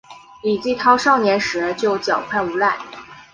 李继韬少年时就狡狯无赖。